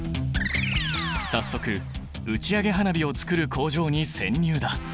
早速打ち上げ花火をつくる工場に潜入だ！